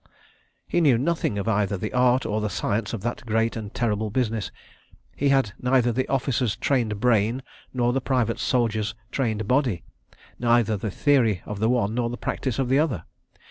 He knew nothing of either the art or the science of that great and terrible business. He had neither the officer's trained brain nor the private soldier's trained body; neither the theory of the one nor the practice of the other.